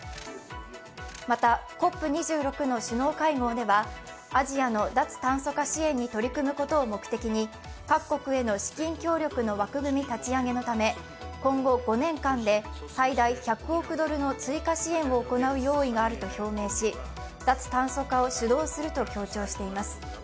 また、ＣＯＰ２６の首脳会合ではアジアの脱炭素化支援に取り組むことを目的に各国への資金協力の枠組み立ち上げのため今後５年間で最大１００億ドルの追加支援を行う用意があると表明し脱炭素化を主導すると強調しています。